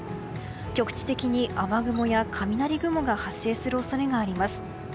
局地的に雨雲や雷雲が発生する恐れがあります。